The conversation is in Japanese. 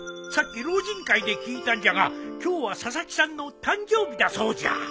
さっき老人会で聞いたんじゃが今日は佐々木さんの誕生日だそうじゃ。